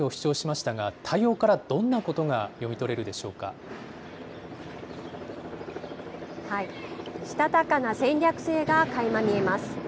したたかな戦略性がかいま見えます。